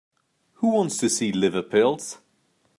Who wants to see liver pills?